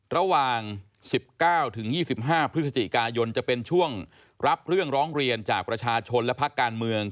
ระหว่าง๑๙๒๕พฤศจิกายนจะเป็นช่วงรับเรื่องร้องเรียนจากประชาชนและพักการเมือง